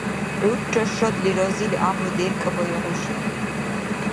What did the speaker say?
ГӀурра шадли, разили гӀямру деркӀабая хӀушани!